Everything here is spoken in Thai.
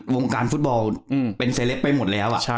วงการฟุตบอลเป็นเซเลปไปหมดแล้ว